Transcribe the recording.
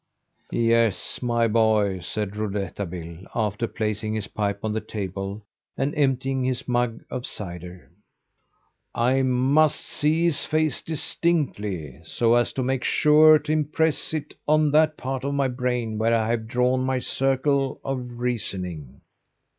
"Yes, my boy," said Rouletabille, after placing his pipe on the table, and emptying his mug of cider, "I must see his face distinctly, so as to make sure to impress it on that part of my brain where I have drawn my circle of reasoning."